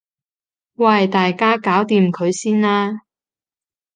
喂大家搞掂佢先啦